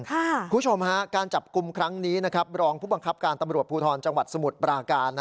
คุณผู้ชมฮะการจับกลุ่มครั้งนี้รองผู้บังคับการตำรวจภูทรจังหวัดสมุทรปราการ